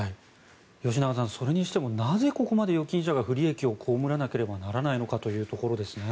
吉永さん、それにしてもなぜここまで預金者が不利益を被らなければならないのかというところです。